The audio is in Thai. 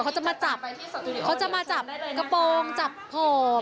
เขาจะชอบมากเสร็จกระโปรงสวยเขาจะมาจับกระโปรงจับผม